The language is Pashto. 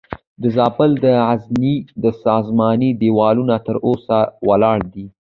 د زابل د غزنیې د ساساني دیوالونه تر اوسه ولاړ دي